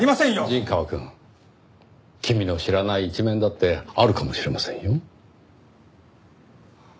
陣川くん君の知らない一面だってあるかもしれませんよ。